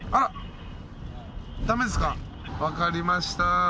分かりました。